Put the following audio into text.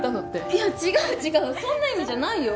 ・いや違う違うそんな意味じゃないよ。